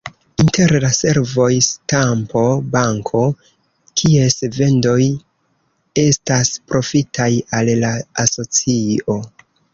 Inter la servoj, stampo-banko, kies vendoj estas profitaj al la asocio.